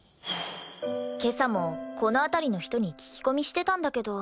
今朝もこの辺りの人に聞き込みしてたんだけど。